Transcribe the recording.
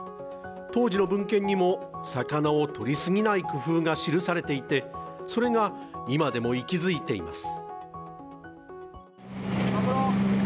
当時の文献にも魚をとりすぎない工夫が記されていて、それが今でも息づいています